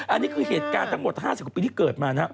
อันนี้คือเหตุการณ์ทั้งหมด๕๐กว่าปีที่เกิดมานะครับ